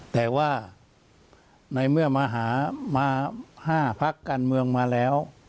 แต่ว่าในเมื่อมาหามา๕พักการเมืองมาแล้ว